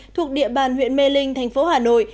thuộc địa bàn huyện mê linh thành phố hà nội